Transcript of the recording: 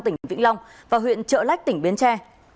tỉnh vĩnh long và huyện trợ lách tỉnh bến tre